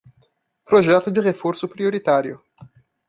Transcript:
Projeto de reforço prioritário